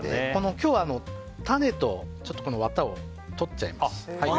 今日は種とワタを取っちゃいます。